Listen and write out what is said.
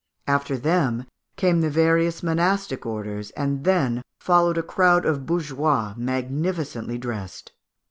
After them came the various monastic orders; and then followed a crowd of bourgeois magnificently dressed.